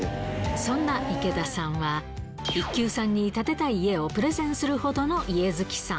そんな池田さんは、一級さんに建てたい家をプレゼンするほどの家好きさん。